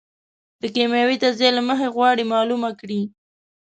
د کېمیاوي تجزیې له مخې غواړي معلومه کړي.